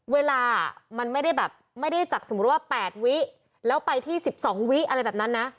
เวลามันไม่ได้แบบไม่ได้จากสมมุติว่า๘วิแล้วไปที่๑๒วิอะไรแบบนั้นนะ